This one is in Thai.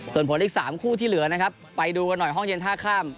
ส่วนผลอีก๓คู่ที่เหลือนะครับไปดูกันหน่อยห้องเย็นท่าข้าม